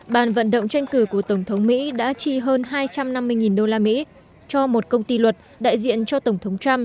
bàn vận động tranh cử của tổng thống mỹ đã chi hơn hai trăm năm mươi đô la mỹ cho một công ty luật đại diện cho tổng thống trump